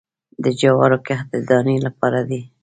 د جوارو کښت د دانې لپاره دی